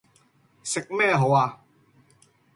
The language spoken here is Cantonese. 食咩好啊